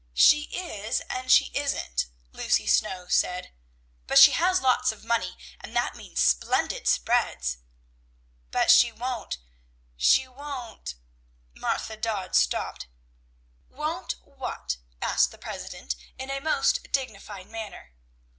"She is, and she isn't," Lucy Snow said; "but she has lots of money, and that means splendid spreads." "But she won't she won't" Martha Dodd stopped. "Won't what?" asked the president in a most dignified manner.